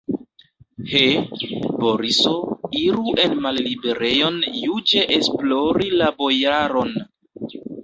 He, Boriso, iru en malliberejon juĝe esplori la bojaron!